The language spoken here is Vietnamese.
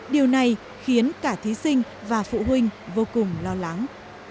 điều này khiến cả thí sinh và phụ huynh vô cùng lo lắng